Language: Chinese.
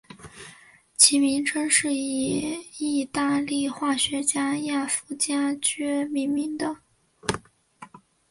其名称是以义大利化学家亚佛加厥命名的。